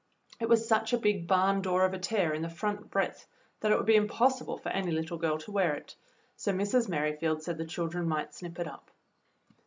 It was such a big barn door of a tear in the front breadth that it would be impos sible for any little girl to wear it, so Mrs. Merrifield said the children might snip it up.